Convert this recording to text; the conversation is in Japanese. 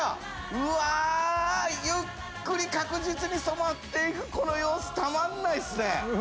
うわあゆっくり確実に染まっていくこの様子たまらないですね。